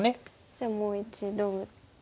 じゃあもう一度打って。